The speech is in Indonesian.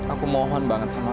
aku mohon banget sama